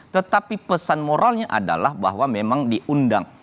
tetapi pesan moralnya adalah bahwa memang diundang